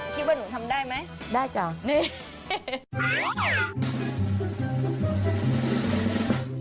คิดว่าหนูทำได้ไหมได้เปล่านี่